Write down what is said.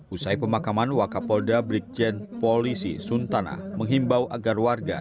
usai pemakaman wakapolda brikjen polisi suntana menghimbau agar warga